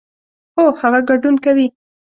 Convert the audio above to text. هو، هغه ګډون کوي